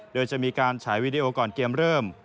เยอะจะมีการฉายวิดีโอก่อนเกียมริม